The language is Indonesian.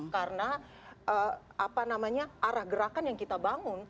karena apa namanya arah gerakan yang kita bangun